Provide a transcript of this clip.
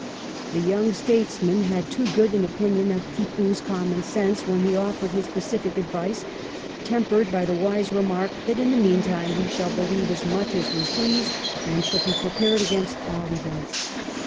The young statesman had too good an opinion of Tippoo's common sense when he offered his pacific advice, tempered by the wise remark that " in the mean time we shall believe as much as we please, and shall be prepared against all events."